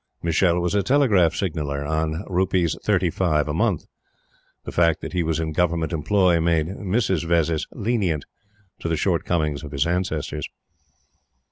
Michele was a Telegraph Signaller on Rs. 35 a month. The fact that he was in Government employ made Mrs. Vezzis lenient to the shortcomings of his ancestors.